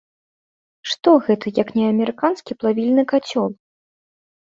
Што гэта, як не амерыканскі плавільны кацёл?